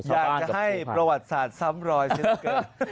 อยากจะให้ประวัติศาสตร์ซ้ำรอยสักเกิน